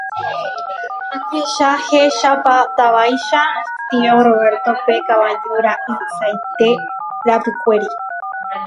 Ahechahechapátavaicha tio Roberto-pe kavaju ra'y saite rapykuéri.